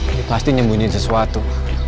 ini pasti nyembunyi sesuatu